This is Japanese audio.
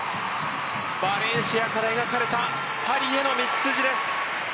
バレンシアから描かれたパリへの道筋です。